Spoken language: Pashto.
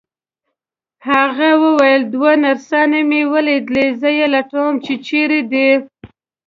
هغه وویل: دوې نرسانې مي لیدلي، زه یې لټوم چي چیري دي.